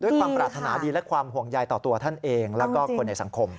ความปรารถนาดีและความห่วงใยต่อตัวท่านเองแล้วก็คนในสังคม